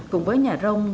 cùng với nhà rông